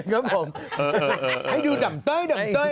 เหะให้ดูดำต้อย